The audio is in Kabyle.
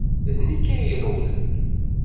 D nekk ay irewlen.